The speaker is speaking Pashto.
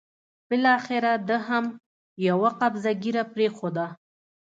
بالاخره ده هم یوه قبضه ږیره پرېښوده.